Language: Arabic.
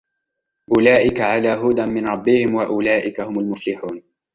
أولئك على هدى من ربهم وأولئك هم المفلحون